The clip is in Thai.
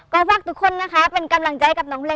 ก็ฝากทุกคนนะคะเป็นกำลังใจกับ